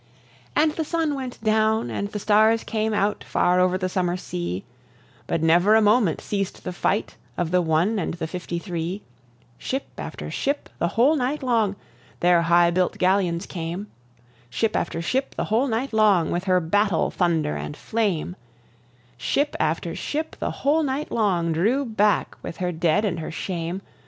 And the sun went down, and the stars came out far over the summer sea, But never a moment ceased the fight of the one and the fifty three; Ship after ship, the whole night long, their high built galleons came, Ship after ship, the whole night long, with her battle thunder and flame; Ship after ship, the whole night long, drew back with her dead and her shame.